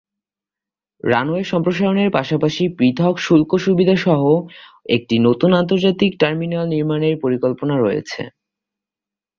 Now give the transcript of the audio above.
Runway সম্প্রসারণের পাশাপাশি পৃথক শুল্ক সুবিধা সহ একটি নতুন আন্তর্জাতিক টার্মিনাল নির্মাণের পরিকল্পনা রয়েছে।